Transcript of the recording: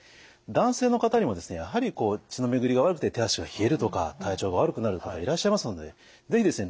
男性の方にもですねやはりこう血の巡りが悪くて手足が冷えるとか体調が悪くなる方いらっしゃいますので是非ですね